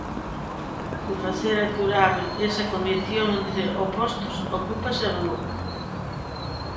De facer aturábel esa condición entre opostos ocúpase a rúa.